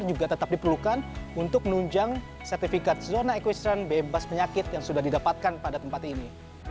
juga tetap diperlukan untuk menunjang sertifikat zona equestrian bebas penyakit yang sudah didapatkan pada tempat ini